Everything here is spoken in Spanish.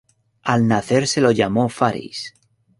Al nacer se lo llamó Faris.